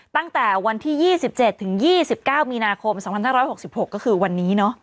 ตั้งแต่วันที่๒๗ถึง๒๙มีนาคม๒๕๖๖ก็คือวันนี้